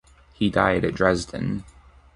He died at Dresden.